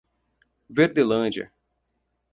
Verdelândia